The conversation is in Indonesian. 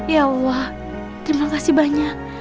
ya allah terima kasih banyak